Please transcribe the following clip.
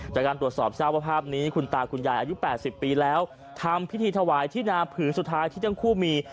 จากการตรวจสอบทราบว่าภาพนี้คุณตาคุณยายอายุ๘๐ปีแล้วทำพิธีถวายที่นาผืนสุดท้ายที่ทั้งคู่มี